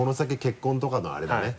結婚とかのあれだね。